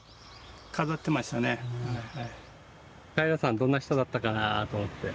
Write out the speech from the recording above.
どんな人だったかなぁと思って。